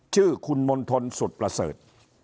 ชื่อคุณมณฑลสุดประเสริฐ